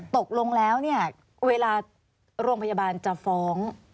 ตกลงแล้วเนี่ยเวลาโรงพยาบาลจะฟ้อง